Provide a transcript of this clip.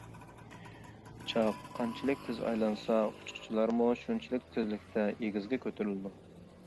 چاق قانچىلىك تېز ئايلانسا، ئۇچقۇچىلارمۇ شۇنچىلىك تېزلىكتە ئېگىزگە كۆتۈرۈلىدۇ.